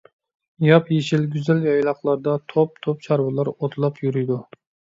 ياپيېشىل، گۈزەل يايلاقلاردا توپ-توپ چارۋىلار ئوتلاپ يۈرىدۇ.